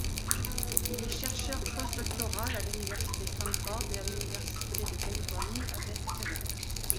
Il est chercheur postdoctoral à l'université Stanford et à l'université de Californie à Berkeley.